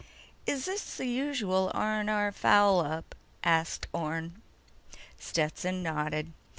"Is this the usual R&R foul up?" asked Orne. Stetson nodded.